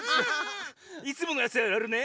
いつものやつやるね。